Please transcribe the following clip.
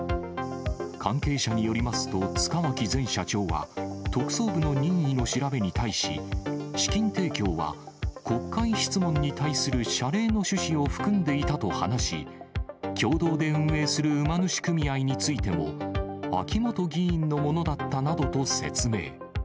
関係者によりますと、塚脇前社長は、特捜部の任意の調べに対し、資金提供は国会質問に対する謝礼の趣旨を含んでいたと話し、共同で運営する馬主組合についても、秋本議員のものだったなどと説明。